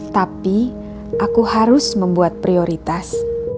tapi aku harus membuat prioritas